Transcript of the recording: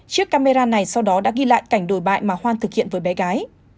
chiếc camera này sau đó đã ghi lại cảnh đồi bại mà hoan thực hiện với bé gái